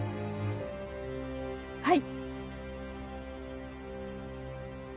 はい。